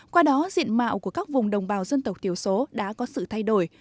qua đó diện mạo của các vùng đồng bào dân tộc thiểu số đã có sự thay đổi